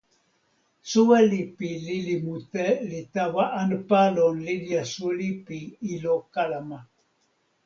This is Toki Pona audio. soweli pi lili mute li tawa anpa lon linja suli pi ilo kalama.